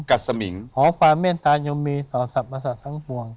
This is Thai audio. ขอความเมตายมีสัตว์ทั้งสอง